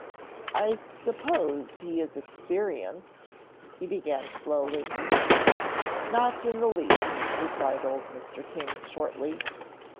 "I suppose he is experienced," he began slowly. "Not in the least," replied old Mr. King, shortly.